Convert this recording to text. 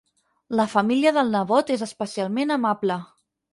La família del nebot és especialment amable.